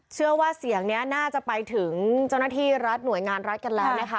เชื่อว่าเสียงนี้น่าจะไปถึงเจ้าหน้าที่รัฐหน่วยงานรัฐกันแล้วนะคะ